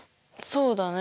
そうだね。